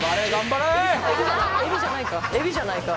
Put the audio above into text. エビじゃないか。